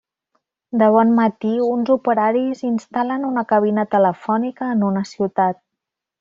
De bon matí, uns operaris instal·len una cabina telefònica en una ciutat.